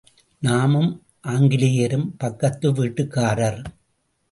நாமும் ஆங்கிலேயரும் பக்கத்து வீட்டுக்காரர்.